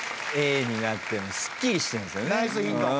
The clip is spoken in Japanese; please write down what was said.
Ａになってすっきりしてるんですよね。